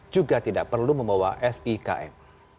juga tidak perlu membawa sikm